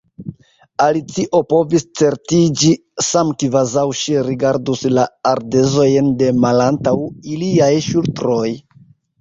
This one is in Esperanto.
Alicio povis certiĝi, same kvazaŭ ŝi rigardus la ardezojn de malantaŭ iliaj ŝultroj.